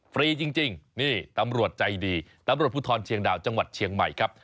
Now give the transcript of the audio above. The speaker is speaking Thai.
ฟรีจริงนี่ตำรวจใจดีตำรวจภูทรเชียงดาวจังหวัดเชียงใหม่ครับ